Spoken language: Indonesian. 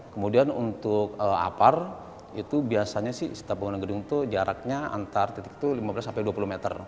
kemudian untuk apar itu biasanya sih setiap pengguna gedung itu jaraknya antar titik itu lima belas sampai dua puluh meter